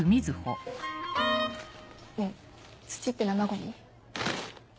ねぇ土って生ゴミ？